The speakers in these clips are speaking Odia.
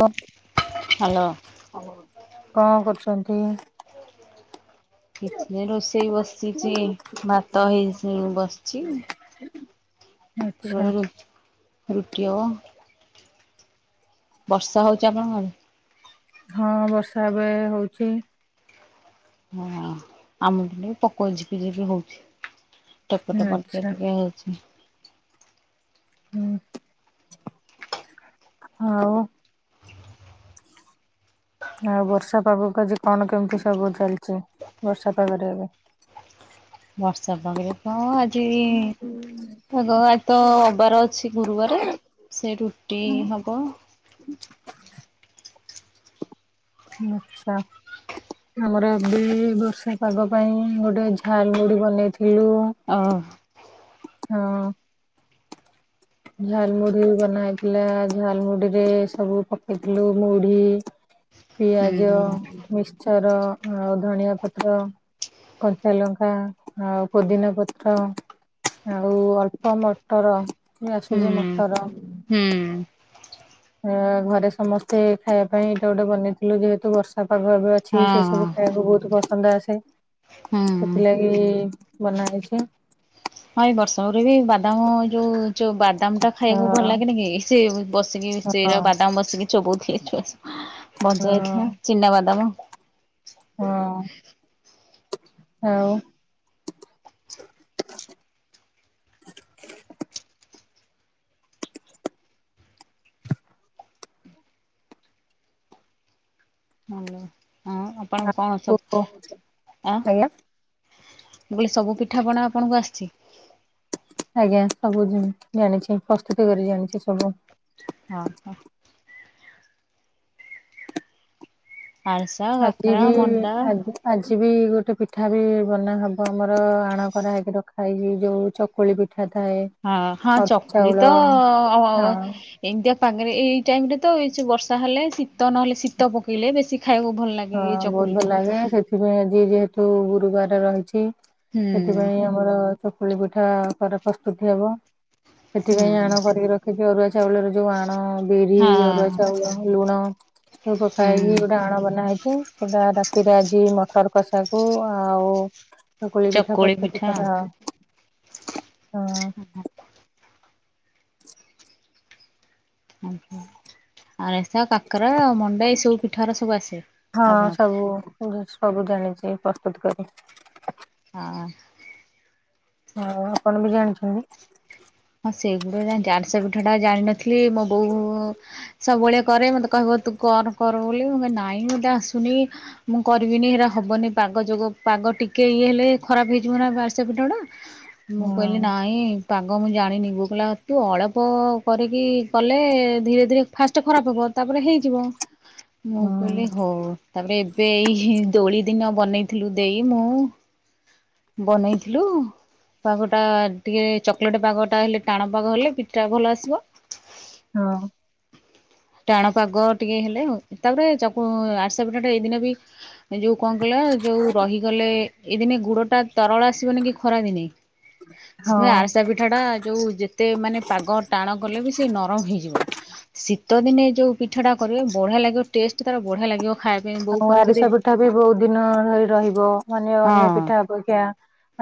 ଆଉ ହ୍ୟାଲୋ। କଣ କରୁଛନ୍ତି? କିଛି ରୋଷେଇ ବସିଛି ଭାତ ହେଇ [unintelligible] ବସିଛି। ଆଚ୍ଛା। ରୁଟିଓ ବର୍ଷା ହଉଛି ଆପଣଙ୍କର? ହଁ ବର୍ଷା ଏବେ ହଉଛି। ହଁ ଆମ ପଟେ ପକଉଛି ଯିବି ଯିବି ହଉଛି। ଟାଟ ଆଚ୍ଛା [unintelligible] ଅଛି। ହୁଁ ଆଉ [unintelligible] ଆଉ ବର୍ଷା ପାଗକୁ ଆଜି କଣ କେମିତି ସବୁ ଚାଲିଛି ବର୍ଷା ପାଗରେ ଏବେ। [unintelligible] ବର୍ଷା ପାଗରେ କଣ? ହ ହ। ଆଗ ଆଜିତ ଅବାର ଅଛି ଗୁରୁବାର ସେ ରୁଟି ହବ। ଆଚ୍ଛା। ଆମର ଏବେ ବର୍ଷା ପାଗ ପାଇଁ ଗୋଟେ ଝାଲ ବୁଡି ବନେଇଥି ଳୁ ଓ ହଁ। ଝାଲ ମୁଢି ବନା ହେଇଥିଲା ଝାଲ ମୁୁଢିରେ ସବୁ ପକେଇଥିଲୁ ମୁଢି। ହୁଁ ପିଆଜ ମିଶ୍ଚର ଆଉ ଧନିଆ ପତ୍ର। କଞ୍ଚାଲଙ୍କା ଆଉ ପୋଦିନା ପତ୍ର। ଆଉ ଅଳ୍ପ ମଟର କି ହୁଁ ଆସୁଛି ମଟର। ହୁଁ ଅ ଘରେ ସମସ୍ତେ ଖାଇବା ପାଇଁ ଏଇଟା ଗୋଟେ ବନେଇଥିଲୁ ଯେହେତୁ ବର୍ଷା [unintelligible] ଅଛି ସେ ହଁ ସବୁ ଖାଇବାକୁ ବହୁତ ପ ସନ୍ଦା ଆସେ ହୁଁ। ସେଥିଲାଗି ବନା ହେଇଛି। ହଁ ଏଇ ବର୍ଷରେ ବି ବାଦାମ ଯୋଉ ଯୋଉ ବାଦାମ ଟା ଅ ଖାଇବାକୁ ଭଲ ଲାଗେନ କି ସେ ବସିକି ହଁ ସେରା ବାଦାମ ବସିକି ଚୋବଉଥିଲେ ଛୁଆ ବଜା ହଁ ଯାଇଥିଲା ଚିନା ବାଦାମ। ହଁ। ହଉ। [inaudible] ହାଲୋ ହଁ ଆପଣ କଣ ସବୁ ଆ ଆଜ୍ଞା ବୋଲି ସବୁ ପିଠାପଣା ଆପଣଙ୍କୁ ଆସିଛି? ଆଜ୍ଞା ସବୁ ଜି ଜାଣିଛି ପ୍ରସ୍ତୁତି କରି ଜାଣିଛି ସବୁ। ହଁ ହ। ଆରିସା ଆଜି କାକରା ବି ଆଜି ମଣ୍ଡା ଆଜି ଆଜି ବି ଗୋଟେ ପିଠା ବି ବନା ହବ ଆମର ଆଣ କରା ହେଇକି ରଖା ହେଇଚି ଯୋଉ ଚକୁଳି ପିଠା। ଥାଏ। ହଁ ହଁ ଅରୁଆ ଚକୁଳି ଚାଉଳ ତ ଅ ହଁ ଏମିତିଆ ପାଗରେ ଏଇ ଟାଇମରେ ତ ଏ ବର୍ଷା ହେଲେ ଶୀତ ନହେଲେ ଶୀତ ପକେଇଲେ ବେଶୀ ଖାଇବାକୁ ଭଲ ଲାଗେ ହଁ ଏଇ ବହୁତ ଚକୁଳି ଭଲ ଟା ଲାଗେ ସେଥିପାଇଁ ଆଜି ଯେ ଯଉ ଗୁରୁବାର ରହିଛି ହୁଁ ସେଥିପାଇଁ ଆମର ଚକୁଳି ପିଠା ପରେ ପ୍ରସ୍ତୁତି ହବ ସେଥିପାଇଁ ହୁଁ ଆଣ କରିକି ରଖିଛି ଅରୁଆ ଚାଉଳର ଯୋଉ ଆଣ ବିରି ଅରୁଆ ହଁ ଚାଉଳ ଲୁଣ। ସବୁ ପକା ହୁଁ ହେଇକି ଗୋଟେ ଆଣ ବନା ହେଇ ସେଟା ରାତିରେ ଆଜି ମଟର କଷାକୁ ଆଉ ଚକୁଳି ପିଠା ପ୍ରସ୍ତୁତି କର। ଅହଂ। ଆଜ୍ଞା [inaudible] ଆରିସା କାକରା ଆଉ ମଣ୍ଡା ଏଇ ସବୁ ପିଠାର ସବୁ ଆସେ ହଁ ଆପଣ? ସବୁ ସବୁ ଜାଣିଛି ପ୍ରସ୍ତୁତ କରି। ହଁ। ହଁ ଆପଣ ବି ଜାଣିଛନ୍ତି? ହଁ ସେଇଗୁଡା ଜାଣିଚି। ଆରିଶା ପିଠା ଟା ଜାଣିିନଥିଲି ମୋ ବୋଉ ସବୁବେଳେ କରେ ମତେ କହିବ ତୁ କର କର ବୋଲି ମୁଁ କହେ ନା ନାଇଁ ମତେ ଆସୁନି ମୁଁ କରିବିନି ହେରା ହବନି ପାଗ ଯୋଗ ପାଗ ଟିକେ ଇଏ ହେଲେ ଖରାପ ହେଇ ଏଗୁଡାକ କଣ ଆରିସା ହଁ ମୁଁ କହିଲି ନାଇଁ କଣ ମୁଁ ଜାଣିନିି ବୋଉ କହିଲା ତୁ ଅଳ୍ପ କରିକି କଲେ ଧୀରେ ଧୀରେ ଫାଷ୍ଟ ଖରାପ ହବ ତାପ ହେଇଯିବ ମୁଁ ହଁ କହିଲି ହଉ ତାପରେ ଏବେ ଏଇ ଦୋଳି ଦିନ ବନେଇଥିଲୁ ଦେଇ ମୁଁ ବନେଇଥିଲୁ ବା ଗୋଟା ଟିକେ ଚ [unintelligible] ପାଗଟା ହେଲେ ଟାଣ ପାଗ ହେଲେ ପିଠଟା ଭଲ ଆସିବ। ହଁ। ଟାଣ ପାଗ ଟିକେ ହେଲେ ଆଉ ତାପରେ ଚକୁ ଆରିସା ପିଠାଟା ଏଇ ଦିନେବି ଯୋଉ କଣ କହିଲ ଯୋଉ ରହିଗଲେ ଏଇ ଦିନେ ଗୁଡଟା ତରଳ ଆସିବନି କି ଖରା ଦିନେ ସେଥିପାଇଁ ହଁ ଆରିସା ପିଠା ଟା ଯୋଉ ଯେତେ ମାନେ ପାଗ ଟାଣ ଗଲେ ବି ସେ ନରମ ହେଇଯିବ ସି ଶୀତ ଦିନେ ଯେଉଁ ପିଠାଟା କରିବେ ବଢିଆ ଲାଗିବ ଟେଷ୍ଟ ତାର ବଢ଼ିଆ ଲାଗିବ ଖାଇବା ପାଇଁ ବୋଉ ଆଉ କରିକି ଦେ ଆରିସା ପିଠା ବି ବହୁତ ଦିନ ଧରି ରହିବ ମାନେ ହଁ ଅନ୍ୟ ପିଠା ଅପେକ୍ଷା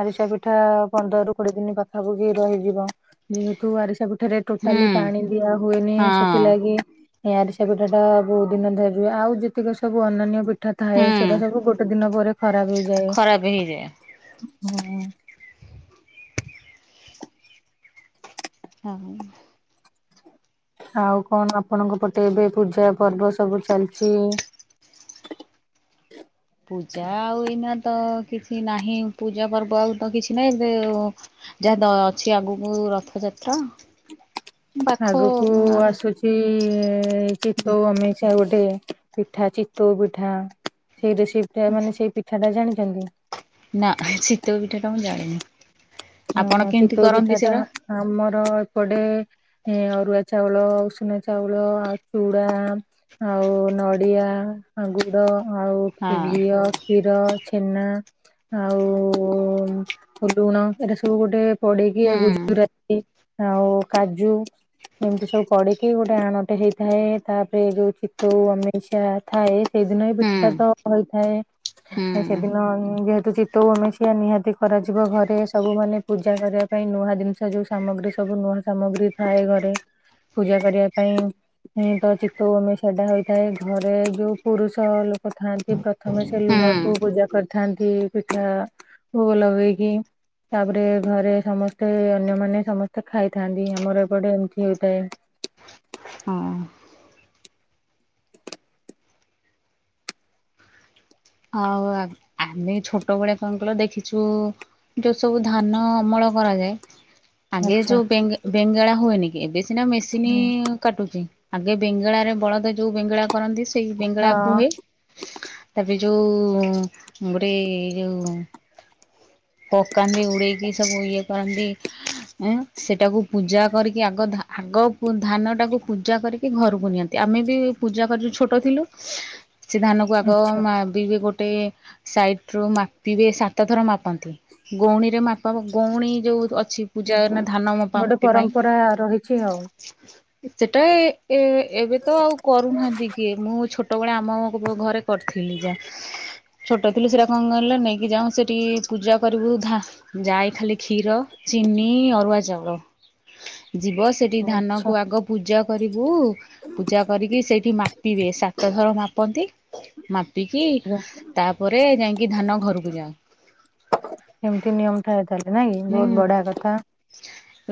ଆରିସା ପିଠା ପନ୍ଦରରୁ କୋଡିଏ ଦିନ ପାଖାପାଖି ରହିଯିବ ଯେହେତୁ ଆରିସା ପିଠା ପିଠାରେ ହୁଁ ଟୋଟାଲି ପାଣି ଦିଆ ହୁଏନି ହଁ ସେଥିଲାଗି ଏଇ ଆରିସା ପିଠାଟା ବହୁତ ଦିନ ଧରି ରୁହେ। ଆଉ ଯେତିକ ସବୁ ଅନନ୍ୟ ପିଠ ଉଠା ଥାଏ ହୁଁ ସେଟା ସବୁ ଗୋଟେ ଦିନ ପରେ ଖରାପ ହେଇଯାଏ। ଖରାପ ହେଇଯାଏ ହଁ। ହଁ। ଆଉ କଣ ଆପଣଙ୍କ ପଟେ ଏବେ ପୂଜା ପର୍ବ ସବୁ ଚାଲିଛି? [inaudible] ପୂଜା ଆଉ ଏଇନା ତ କିଛି ନାହିଁ ପୂଜା ପର୍ବ ଆଉ ତ କିଛି ନାହିଁ। ଏବେ ଯାହା ଅଛି ଆଗକୁ ରଥ ଯ ପେଟ ଆଗକୁ ଆସୁଛି ଏ ଚିତଉ ଅମେଇଷା ଗୋଟେ ପିଠା ଚିତଉ ପିଠା ସେଇ ରେସିପ ଟା ମାନେ ସେଇ ପିଠା ଟା ଜାଣିଛନ୍ତି? ପିଠାଟା ମୁଁ ଜାଣିନି। ଆପଣ ହଁ କେମିତି ଚିତଉ ପିଠା କରନ୍ତି ଟା ସେଟା ଆମର ଏପଟେ ଏ ଅରୁଆ ଚାଉଳ ଉଷୁନା ଚାଉଳ ଆଉ ଚୁଡା ଆଉ ନଡ଼ିଆ ଆଉ ଗୁଡ଼ ଆଉ ଖୀ ହଁ। ଘିଅ କ୍ଷୀ କ୍ଷୀର ଛେନା ଆଉ ଲୁଣ ଏଟା ସବୁ ଗୋଟେ ପଡ଼ିକି ଆଉ ହୁଁ ଗୁଜୁରାତି ଆଉ କାଜୁ ଏମିତି ସବୁ ପଡିକି ଗୋଟେ ଆଣଟେ ହେଇଥାଏ। ତାପରେ ଯୋଉ ଚିତଉ ଅମେଇଶିଆ ଥାଏ ସେଇଦିନ ବି ହୁଁ ପିଠାଟା ତ ହେଇଥାଏ ହୁଁ ସେଦିନ ଯେହେ ତ ଚିତଉ ଆମେଇସିଆ ନିହାତି କରାଯିବ ଘରେ। ସବୁ ମାନେ ପୂଜା କରିବା ପାଇଁ ନୂଆ ଜିନିଷ ଯୋଉ ସାମଗ୍ରୀ ସବୁ ନୂଆ ସାମଗ୍ରୀ ଥାଏ। ଘରେ ପୂଜା କରିବା ପାଇଁ। ହଁ ତ ଚିତଉ ଅମେଇଶା ଟା ହୋଇଥାଏ। ଘରେ ଯୋଉ ପୁରୁଷ ଲୋ ଥାନ୍ତି ପ୍ରଥମେ ସେ ହୁଁ ଲୁହାକୁ ପୂଜା କରି ଥାନ୍ତି ପିଠା ଭୋଗ ଲେଗଇକି। ତା ପରେ ଘରେ ସମସ୍ତେ ଅନ୍ୟମାନେ ସମସ୍ତେ ଖାଇଥାନ୍ତି ଆମର ଏପଟେ ଏମିତି ହେଇଥାଏ। [unintelligible] ହଁ। ଆଉ ଆ, ଆମେ ଛୋଟ ବଳେ କଣ କହିଲ ଦେଖିଛୁ ଯୋଉ ସବୁ ଧାନ ଅମଳ କରାଯାଏ। ଆଗେ ଆଚ୍ଛା ଯୋଉ ବେଙ୍ଗ ବେଙ୍ଗେଳା ହୁଏନି କି। ଏବେ ସିନା ମେସିନ୍ ହୁଁ କାଟୁଚି। ଆଗେ ବେଙ୍ଗଳାରେ ବଳଦ ଯୋଉ ବେଙ୍ଗଳା କରନ୍ତି ସେଇ ବେଙ୍ଗଳା ହଁ ପୁହେ ତା ହେଇ ଯୋଉ ଉଁ, ଗୋଟେ ଯୋଉ [inaudible] ପକାନ୍ତି ଉଡ଼େଇକି ସବୁ ଇଏ କରନ୍ତି ଏଁ ସେଟାକୁ ପୂଜା କରିକି ଆଗ ଧା ଆଗ ଗ ପୂ-ଧାନଟାକୁ ପୂଜା କରିକି ଘରକୁ ନିଅନ୍ତି। ଆମେ ବି ପୂଜା କରି ଛୋଟ ଥିଲୁ। ସେ ଧାନ କୁ ଆଗ ଆଚ୍ଛା ମା ଦିଗେ ଗୋଟେ ସାଇଟ୍ ରୁ ମାପିବେ ସାତ ଥର ମାପନ୍ତି ଗଉଣୀରେ ମାପାବ ଗ ପୁଣି ଯୋଉ ଅଛି ପୂଜା ନା ଧାନ ମପା ଗୋଟେ ମୁପି ପାଇଁ। ପରମ୍ପରା ରହିଛି ଆଉ। ସେଟା ଏ ଏ ଏବେ ତ ଆଉ କରୁନାହାନ୍ତି କିଏ। ମୁଁ ଛୋ ଟ ବେଳେ ଆମ ଘରେ କରିଥିଲି ଯା। ଛୋଟ ଥିଲୁ ସେଟା କଣ କହିଲ ନେଇକି ଯାଉଁ ସେଠି ପୂଜା କରିବୁ ଧା ଯାଏ ଖାଲି କ୍ଷୀର। ଚିନି, ଅରୁଆ ଚାଉଳ। [inaudible] ଯିବ ସେଠି ଧାନ ଆଚ୍ଛା କୁ ଆଗ ପୂଜା କରିବୁ। ପୂଜା କରିକି ସେଇଠି ମା ପିବେ ସାତ ଥର ମାପନ୍ତି। ମାପିକି ଟି ଆଜ୍ଞା, ତାପରେ ଯାଇକି ଧାନ ଘରକୁ ଯା ଏମିତି ନିୟମ ଥାଏ ତାହାଲେ ନାଇ କି। ବହୁତ ବଢିଆ କଥା।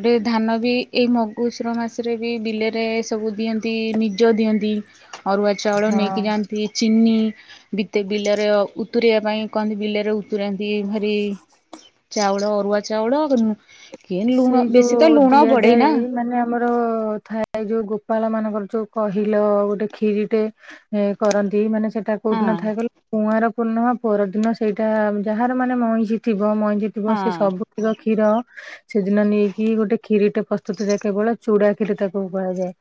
ରେ ଧାନ ବି ଏଇ ମଗୁଶୁର ମାସରେ ବି ବିଲରେ ସବୁ ଦିଅନ୍ତି ନିଜ ଦିଅନ୍ତି। ଅରୁଆ ଚାଉଳ ହଁ। ନେଇକି ଯାଆନ୍ତି ଚିନି ବିତେ ବିଲରେ ଉତୁରିବା ପାଇଁ କହନ୍ତି ବିଲରେ ଉତରାନ୍ତି ଭାରି ଚାଉଳ ଅ ଉଆ ଚାଉଳ ଉଁ, କି ସେଇ ଲୁଣ ବେଶୀ ତ ଲୁଣ ପଡେ ନା। ହଁ। ଓ ଥାଏ ଯୋଉ ଗୋପାଳ ମାନଙ୍କର ଯୋଉ କହିଲ ଗୋଟେ କ୍ଷୀରି ଟେ ଏ କରନ୍ତି। ମାନେ ସେଟା କୋଉ ଦିନ ହଁ ଥାଏ କଲ କୁଆଁର ପୂର୍ଣ୍ଣିମା ପରଦିନ ସେଇଟା ଯାହାର ମାନେ ମଇଁଷ ଥି ବ-ମଇଁଷି ଥିବ ସିଏ ହଁ ସବୁ ତିକ କ୍ଷୀର ସେଦିନ ନେଇକି ଗୋଟେ କ୍ଷୀରି ଟେ ପ୍ରସ୍ତୁତ ଯାଏ କେବଳ ଚୁଡ଼ା କ୍ଷୀରି ତାକୁ କୁହାଯାଏ।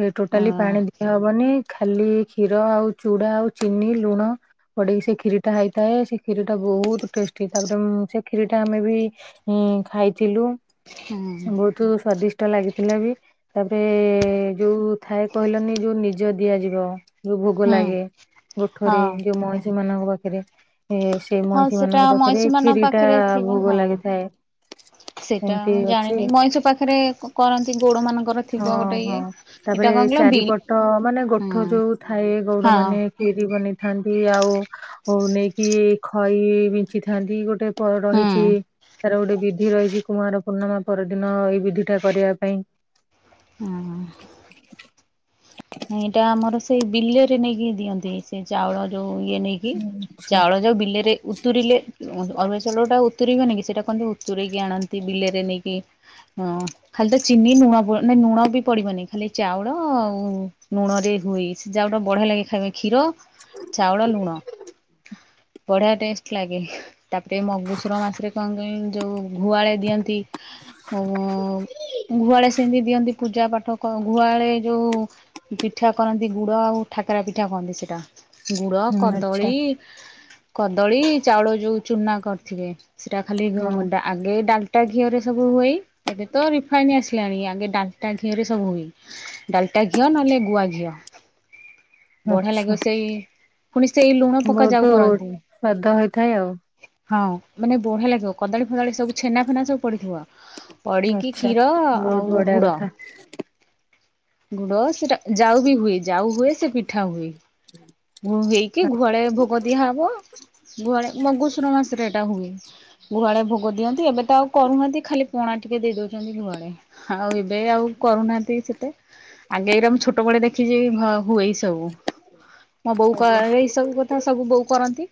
ଏ ଟୋଟାଲି ପାଣି ଦିଆହବନି ଖାଲି କ୍ଷୀର ଆଉ ଚୁଡା ଆଉ ଚିନି ଲୁଣ। ପଡିକି ସେ କ୍ଷୀରିଟା ହେଇଥାଏ ।ସେ କ୍ଷୀରି ଟା ବହୁତ ଟେଷ୍ଟି। ତାପରେ ମୁଁ ସେ କ୍ଷୀରିଟା ଆମେ ବି ଉଁ, ଅଁ, ଖାଇଥିଲୁ ହୁଁ ବହୁତୁ ସ୍ଵାଦିଷ୍ ଟ ଲାଗିଥିଲା ବି। ତାପରେ ଯୋଉ ଥାଏ କହିଲନି ଯୋଉ ନିଜ ଦିଆଯିବ। ଯୋଉ ଭୋଗ ହୁଁ ଲାଗେ ଗୋଠରେ ହଁ ଯୋଉ ମଇଁଷି ମାନଙ୍କ ପାଖରେ। ଏ ସେଇ ହଁ ମଇଁଷି ସେଟା ମାନଙ୍କ ପାଖରେ ମଇଁଷି ମାନଙ୍କ କ୍ଷୀରି ଟା ପାଖରେ ଥିବ ଭୋଗ ଲାଗିଥାଏ। ଟା ଏମିତି ମୁଁ ଅଛି ଜାଣିନି ମଇଁଷି ପାଖରେ କ-କରନ୍ତି ଗୋଡ ମାନଙ୍କର ଥିବ ଗୋଟେ ଇଏ ଏଟା କଣ କିଲ ବି ପୋଠ ମାନେ ଗୋଠ ହଁ ଯୋଉ ଥାଏ ଗଉଡ ହଁ ମାନେ କ୍ଷୀରି ବନେଇଥାନ୍ ତି ଆଉ ଅ, ନେଇକି ଖଇ ବିଞ୍ଚିଥାନ୍ତି ଗୋଟେ ହୁଁ ପ-ରହିଛି। ତାର ଗୋଟେ ବିଧି ରହିଛି କୁମାର ପୂର୍ଣ୍ଣିମା ପରଦିନ ଏଇ ବିଧି ଟା କରିବା ପାଇଁ। ହଁ, ହଁ। ଏଇଟା ଆମର ସେଇ ବିଲରେ ନେଇକି ଦିଅନ୍ତି। ସେ ଚାଉଳ ଯୋଉ ଓ ଇଏ ନେଇକି ଆଛା ଚାଉଳ ଯୋଉ ବିଲରେ ଉତୁରିଲେ ଓ ଯୋ ଅରୁଆ ଚାଉଲ ଟା ଉତୁରିବନି କି ସେଇଟା କହନ୍ତି ଉତୁରେଇକି ଆଣନ୍ତି ବିଲେରେ ନେଇକି ହଁ ଖାଲି ତ ଚି ନି ଲୁଣ ପ- ନାଇ ଲୁଣ ବି ପଡିବନି ଖାଲି ଚାଉଳ ଆଉ ଲୁଣରେ ହୁଏ ସେ ଜାଉଟା ବଢିଆ ଲାଗେ ଖାଇବା କ୍ଷୀର, ଚାଉଳ, ଲୁଣ । ବଢିଆ ଟେଷ୍ଟ ଲାଗେ। ତାପରେ ମଗୁଶୁର ମାସରେ କଣ କଇ ଯୋଉ ଘୁଆଳେେ ଦିଅନ୍ତି [unintelligible] ଘୁଆଳେ ସେମିତି ଦିଅନ୍ତି ପୂଜା ପାଠ କ-ଘୁଆଳେ ଯୋଉ ପିଠା କରନ୍ତି ଗୁଡ ଆଉ ଠାକରା ପିଠା କହନ୍ତି ସେଟା। ଗୁଡ ହୁଁ ଆଚ୍ଛା କଦଳୀ କଦଳୀ ଚାଉଳ ଯୋଉ ଚୁନା କରିଥିବେ। ସେଇଟା ଖାଲି ହଁ ଡା ଆଗେ ଡାଲ ଟା ଘିଅ ରେ ସବୁ ହୁଅଇ ଏ ଏବେ ତ ରିଫାଇନ ଆସିଲାଣି ଆଗେ ଡାଲଟା ଘିଅରେ ସବୁ ହୋଇ ଡା ଲଟା ଘିଅ ନହେଲେ ଗୁଆ ଘିଅ ବଢ଼ିଆ ଆଚ୍ଛା ଲାଗିବ ସେଇ । ପୁଣି ସେଇ ଲୁଣ ପକା ବହୁତ ଯାଉ କରନ୍ତି ସ୍ଵାଦ ହେଇଥାଏ ଆଉ ହଁ ମାନେ ବଢିଆ ଲାଗିବ । କଦଳୀ ଫଦଳୀ ସବୁ ଛେନା ଫେନା ସବୁ ପଡିଥିବ ପଡିକି ଆଚ୍ଛା କ୍ଷୀର ବହୁତ ଆଉ ବଢିଆ ଗୁଡ। କଥା ଗୁଡ ସେଟା ଯାଉ ବି ହୁଏ ଯାଉ ହୁଏ ସେ ପିଠା ହୁଏ । ହଁ। ଘୁ ହେଇକି ଘୁଆଳ ଭୋଗ ଦିଆହବ ଗୁହା ମଘୁଶୁର ମାସରେ ଏଇଟା ହୁଏ । ଘୁହାଳେ ଭୋଗ ଦିଅନ୍ତି ଏବେ ତ ଆଉ କରୁହାନ୍ତି ଖାଲି ପଣା ଟିକେ ଦେଇ ଦଉଛନ୍ତି ଘୁହାଳେ ଆଉ ଏବେ ଆଉ। କରୁନାହାନ୍ତି ସେତେ ଆଗେ ଏଇରା ମୁଁ ଛୋଟବେଳେ ଦେଖିଛି ଘ ହୁଏ ଏଇ ସବୁ ମୋ ବୋଉ କ ଏଇ ସବୁ କଥା ସବୁ ବୋଉ କରନ୍ତି।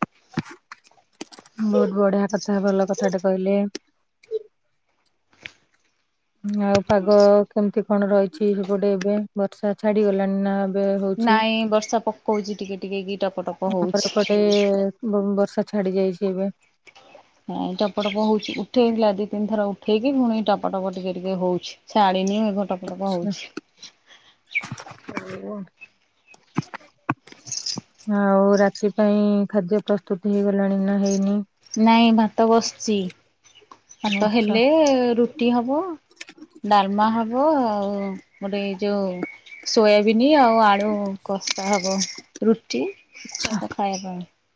ବହୁତ ବଢିଆ କଥା ଭଲ କଥାଟେ କହିଲେ। ଆଉ ପାଗ କେମିତି କଣ ରହିଛି ସେପଟେ ଏବେ ବର୍ଷା ଛାଡିଗଲାଣି ନା। ଏବେ ହଉଛି ନାଇଁ ବର୍ଷା ପକଉଛି ଟିକେ ଟିକେ କି ଟପ ଟପ ଆମାର ହଉଛି। ଏପଟେ ବର୍ଷା । ଛାଡି ଯାଇଛି ଏବେ । ହାଁ ଟପଟପ ହଉଛି ଉଠେଇ ଥିଲା ଦି ତିନି ଥର ଉଠେଇକି ପୁଣି ଟପଟପ ଟିକେ ଟିକେ ହଉଛି ଛାଡିନି ଏ ଟପଟପ ଆଚ୍ଛା। ହଉଛି। ଆଉ ରାତି ପାଇଁ ଖାଦ୍ୟ ପ୍ରସ୍ତୁତ ହେଇ ଗଲାଣି ନା ହେଇନି। ନାଇଁ ଭାତ ବସିଚି । ଭାତ ଆଚ୍ଛା ହେଲେ ରୁଟି ହବ ଡାଲମା ହବ। ଗୋଟେ ଏଇ ଯୋଉ ସୋୟାବିନ ଆଉ ଆଳୁ କସା ହବ ରୁଟି । ଆଚ୍ଛା ସେଇଟା ଖାଇବା ପାଇଁ।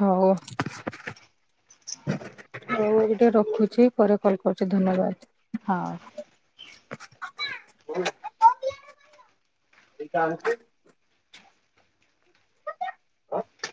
ହଉ। ହଉ ଟିକେ ରଖୁଛି ପରେ କଲ କରୁଛି ଧନ୍ୟବାଦ। ହଁ। ହ ସେଇ କାମ । ହ।